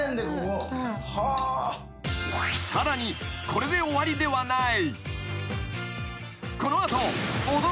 ［これで終わりではない］